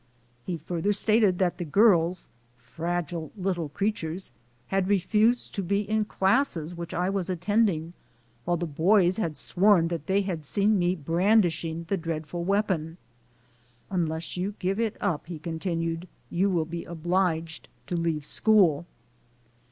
He further stated that the girls (fragile little creatures !) had refused to be in classes which I was attending, while the boys had sworn that they had seen me brandishing the dreadful weapon. "Un less you give it up," he continued, "you will be obliged to leave school."